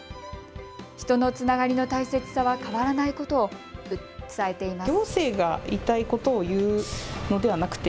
人のつながりの大切さは変わらないことを伝えています。